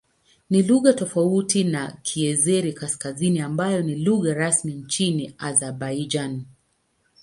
Ni lugha tofauti na Kiazeri-Kaskazini ambayo ni lugha rasmi nchini Azerbaijan.